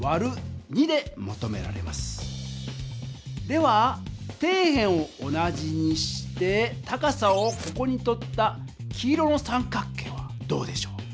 では底辺を同じにして高さをここにとった黄色の三角形はどうでしょう？